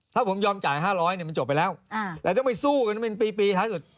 แถวผมยอมจ่าย๕๐๐นี่มันจบไปแล้วแต่ถ้าไม่สู้กันมันมีปี